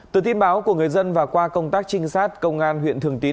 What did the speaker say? từ tin báo của người dân và qua công tác trinh sát công an huyện thường tín